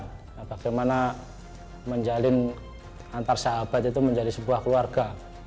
bagaimana menjalin antar sahabat itu menjadi sebuah keluarga